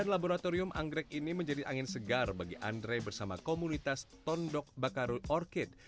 laboratorium anggrek ini menjadi angin segar bagi andre bersama komunitas tondok bakaru orchid